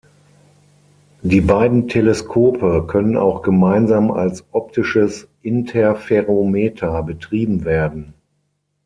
Die beiden Teleskope können auch gemeinsam als optisches Interferometer betrieben werden.